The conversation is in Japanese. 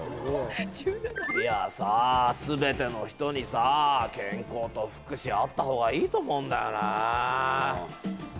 いやさすべての人にさ健康と福祉あった方がいいと思うんだよね。